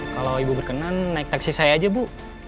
kalau ibu berkenan naik taksi saya aja bu